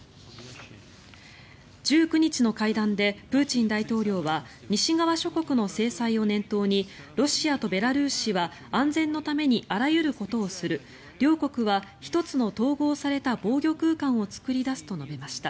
１９日の会談でプーチン大統領は西側諸国の制裁を念頭にロシアとベラルーシは安全のためにあらゆることをする両国は１つの統合された防御空間を作り出すと述べました。